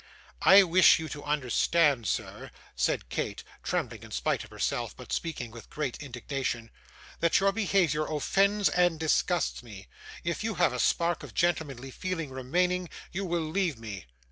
'I wish you to understand, sir,' said Kate, trembling in spite of herself, but speaking with great indignation, 'that your behaviour offends and disgusts me. If you have a spark of gentlemanly feeling remaining, you will leave me.